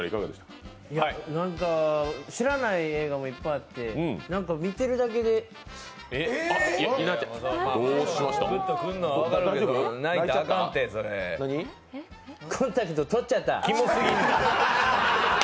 なんか、知らない映画もいっぱいあって、見てるだけでキモすぎ。